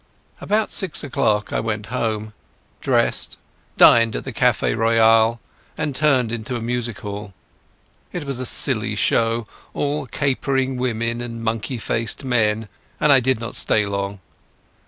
About six o'clock I went home, dressed, dined at the Café Royal, and turned into a music hall. It was a silly show, all capering women and monkey faced men, and I did not stay long.